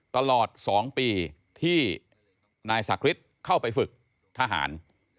ตลอด๒ปีที่นายศักดิ์เข้าไปฝึกทหาร